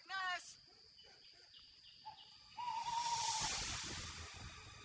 mau jadi kayak gini sih salah buat apa